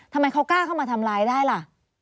ทำไมเขากล้าเข้ามาทำร้ายได้ล่ะ